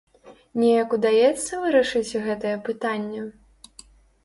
Неяк удаецца вырашыць гэтае пытанне?